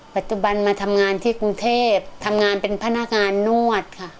ปัจจุบันมาทำงานที่กรุงเทพทำงานเป็นพนักงานนวดค่ะ